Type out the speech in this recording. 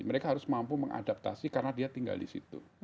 mereka harus mampu mengadaptasi karena dia tinggal di situ